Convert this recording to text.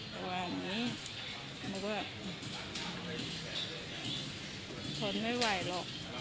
ก็ว่าอย่างนี้เขาก็ทนไม่ไหวหรอก